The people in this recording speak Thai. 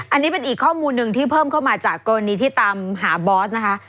อันนี้เป็นอีกข้อมูลหนึ่งที่เพิ่มเข้ามาจากกรณีที่ตามหาบอสนะคะ